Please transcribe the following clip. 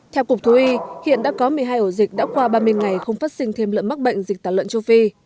theo cục thú y hiện đã có một mươi hai ổ dịch đã qua ba mươi ngày không phát sinh thêm lợn mắc bệnh dịch tả lợn châu phi